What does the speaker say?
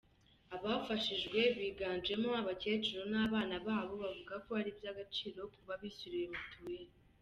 Abafashijwe biganjemo abakecuru n’abana babo, bavuga ko ari iby’agaciro kuba bishyuriwe mituweli.